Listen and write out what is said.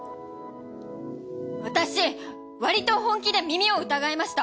私わりと本気で耳を疑いました！